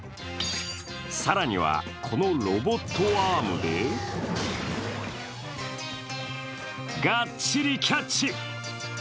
更には、このロボットアームでがっちりキャッチ。